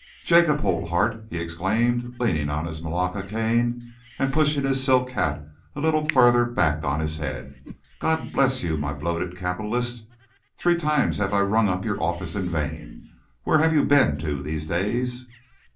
"Jacob, old heart!" he exclaimed, leaning on his malacca cane and pushing his silk hat a little farther back on his head. "God bless you, my bloated capitalist! Three times have I rung up your office in vain. Where have you been to, these days?"